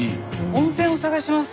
温泉を探します。